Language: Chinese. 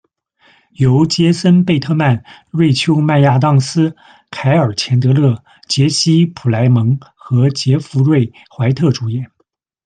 由杰森·贝特曼、瑞秋·麦亚当斯、凯尔·钱德勒、杰西·普莱蒙和杰佛瑞·怀特主演。